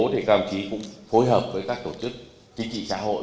thì cao chí cũng phối hợp với các tổ chức chính trị xã hội